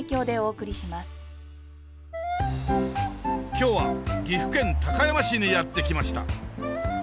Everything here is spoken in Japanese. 今日は岐阜県高山市にやって来ました。